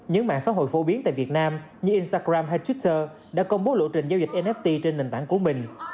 những mạng xã hội phổ biến tại việt nam như instagram hay twitter đã công bố lộ trình giao dịch nft trên nền tảng của mình